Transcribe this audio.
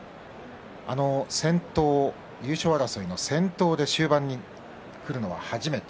優勝争いの先頭で終盤にくるのは初めて。